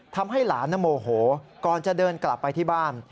ทำให้หลานโมโหก่อนจะเดินกลับไปที่บ้าน